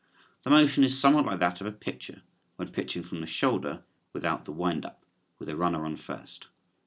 The motion is somewhat like that of a pitcher, when pitching from the shoulder without the "wind up," with a runner on first.